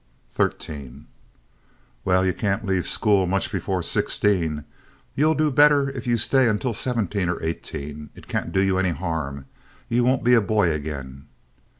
"Thirteen." "Well, you can't leave school much before sixteen. You'll do better if you stay until seventeen or eighteen. It can't do you any harm. You won't be a boy again."